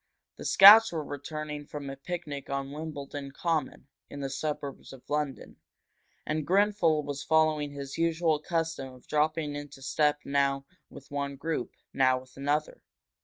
The scouts were returning from a picnic on Wimbledon Common, in the suburbs of London, and Grenfel was following his usual custom of dropping into step now with one group, now with another.